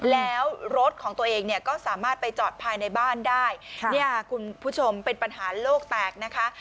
แล้วรถของตัวเองเนี่ยก็สามารถไปจอดภายในบ้านได้เนี่ยคุณผู้ชมเป็นปัญหาโลกแตกนะคะ